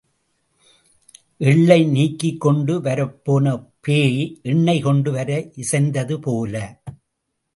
எள்ளை நீக்கிக் கொண்டு வரப்போன பேய் எண்ணெய் கொண்டு வர இசைந்தது போல.